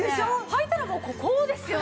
履いたらもうこうですよ。